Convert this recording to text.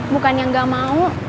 bukan yang enggak mau